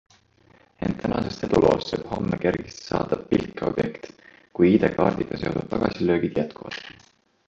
Ent tänasest eduloost võib homme kergesti saada pilkeobjekt, kui ID-kaardiga seotud tagasilöögid jätkuvad.